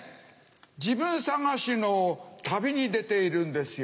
自分探しの旅に出ているんですよ。